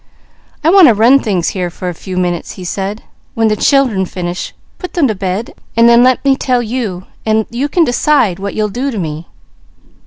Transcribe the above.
"I want to run things here for a few minutes," he said. "When the children finish, put them to bed, and then let me tell you, and you can decide what you'll do to me."